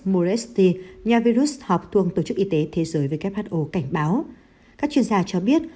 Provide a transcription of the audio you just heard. moresti nhà virus họp thuộc tổ chức y tế thế giới who cảnh báo các chuyên gia cho biết